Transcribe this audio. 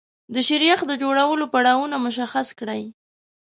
د شیریخ د جوړولو پړاوونه مشخص کړئ.